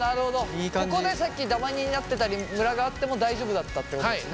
ここでさっきダマになってたりムラがあっても大丈夫だったっていうことですね。